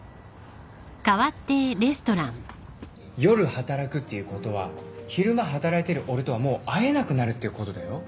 ・夜働くっていうことは昼間働いてる俺とはもう会えなくなるってことだよ。